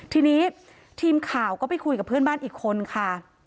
ทีนี้ทีมข่าวก็ไปคุยกับเพื่อนบ้านอีกคนค่ะ